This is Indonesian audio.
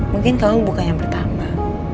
mungkin kamu bukan yang pertama